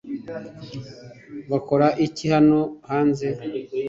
bakora iki hano hanze